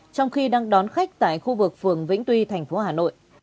trong khi đang đón khách tại khu vực phường vĩnh tuy thành phố hà nội